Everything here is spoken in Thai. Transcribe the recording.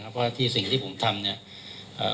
เพราะว่าที่สิ่งที่ผมทำ